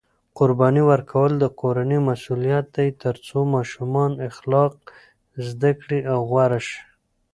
قرباني ورکول د کورنۍ مسؤلیت دی ترڅو ماشومان اخلاق زده کړي او غوره شي.